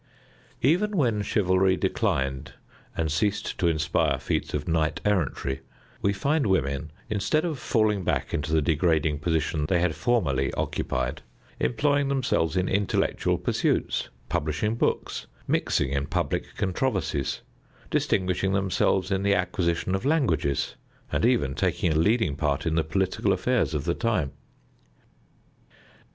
Even when chivalry declined and ceased to inspire feats of knight errantry, we find women, instead of falling back into the degrading position they had formerly occupied, employing themselves in intellectual pursuits, publishing books, mixing in public controversies, distinguishing themselves in the acquisition of languages, and even taking a leading part in the political affairs of the times.